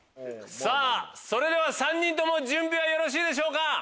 さぁそれでは３人とも準備はよろしいでしょうか？